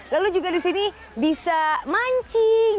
lalu juga di sini bisa mancing